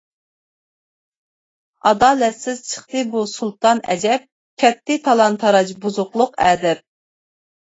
ئادالەتسىز چىقتى بۇ سۇلتان ئەجەب، كەتتى تالان-تاراج، بۇزۇقلۇق ئەدەپ.